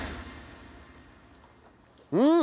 うん！